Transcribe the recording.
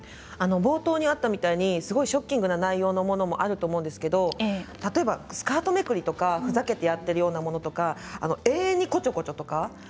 冒頭にあったようにショッキングな内容もあると思うんですけれど例えばスカートめくりとかふざけてやっているようなものとか永遠に、こちょこちょとか。